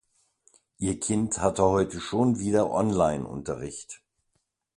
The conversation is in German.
Ihr Kind hatte heute schon wieder online Unterricht.